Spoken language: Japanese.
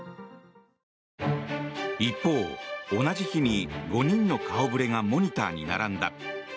一方、同じ日に５人の顔触れがモニターに並んだ。